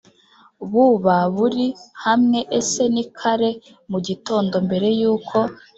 Buba buri hamwe ese ni kare mu gitondo mbere y uko